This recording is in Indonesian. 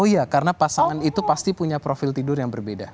oh iya karena pasangan itu pasti punya profil tidur yang berbeda